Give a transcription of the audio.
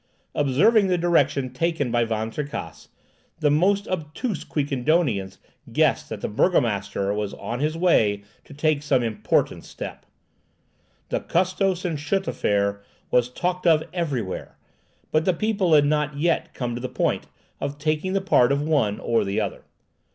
Observing the direction taken by Van Tricasse, the most obtuse Quiquendonians guessed that the burgomaster was on his way to take some important step. The Custos and Schut affair was talked of everywhere, but the people had not yet come to the point of taking the part of one or the other.